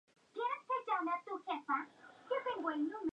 La mielina es particularmente rica en fosfolípidos.